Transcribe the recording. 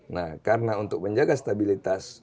nah karena untuk menjaga stabilitas